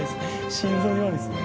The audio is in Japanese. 心臓に悪いですね。